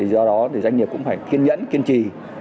do đó doanh nghiệp cũng phải kiên nhẫn kiên trì